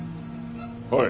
おい。